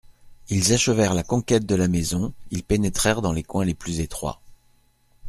Ils achevèrent la conquête de la maison, ils pénétrèrent dans les coins les plus étroits.